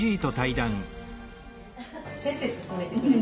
先生勧めてくれたこの。